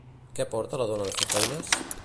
Què porta la dona de fer feines?